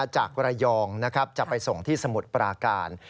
จากระยองจะไปส่งที่สมุทรปราการ